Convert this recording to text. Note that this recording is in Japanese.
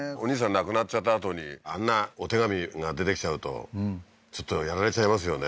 亡くなっちゃったあとにあんなお手紙が出てきちゃうとちょっとやられちゃいますよね